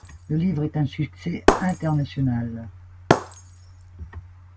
Le livre est un succès international.